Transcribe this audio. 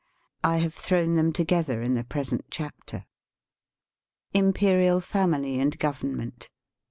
I have thrown them together in the present chapter. Imperial Family and Government.